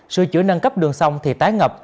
sưa chữa nâng cấp đường sông thì tái ngập